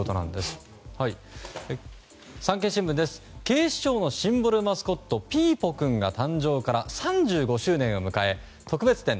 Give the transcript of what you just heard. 警視庁のシンボルマスコットピーポくんが誕生から３５周年を迎え特別展